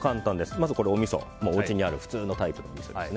まず、おみそおうちにある普通のタイプのみそです。